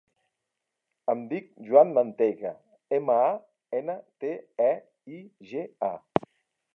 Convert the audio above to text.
Em dic Juan Manteiga: ema, a, ena, te, e, i, ge, a.